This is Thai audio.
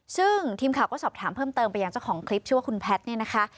ซึ่งทีมข่าวก็สอบถามเพิ่มเติมไปยังเจ้าของคลิปชื่อว่าคุณแพทย์เนี่ยนะคะ